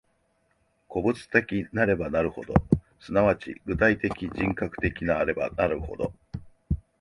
個物的なればなるほど、即ち具体的人格的なればなるほど、